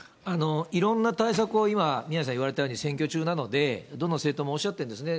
いろんな対策を今、宮根さん言われたように、今、選挙中なので、どの政党もおっしゃってるんですね。